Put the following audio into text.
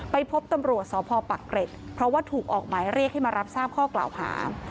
ไปพบตำรวจสพปักเกร็ดเพราะว่าถูกออกหมายเรียกให้มารับทราบข้อกล่าวหา